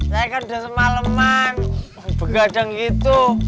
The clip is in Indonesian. saya kan udah semaleman begadang gitu